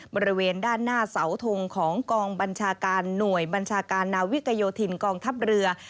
บริเวณด้านหน้าเสาทงของกองบัญชาการหน่วยบัญชาการนาวิกโยธินกองทัพเรือ